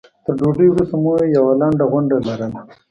تر ډوډۍ وروسته مو یوه لنډه غونډه لرله.